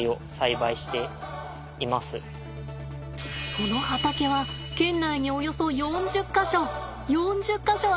その畑は県内におよそ４０か所４０か所あります。